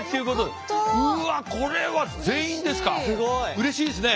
うれしいですね。